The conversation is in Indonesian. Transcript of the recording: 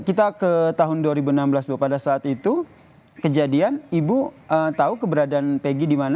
kita ke tahun dua ribu enam belas bu pada saat itu kejadian ibu tahu keberadaan pegi di mana